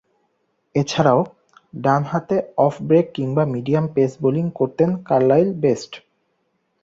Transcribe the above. এছাড়াও, ডানহাতে off break কিংবা মিডিয়াম পেস বোলিং করতেন কার্লাইল বেস্ট।